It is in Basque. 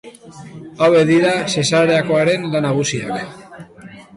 Hauek dira Zesareakoaren lan nagusiak.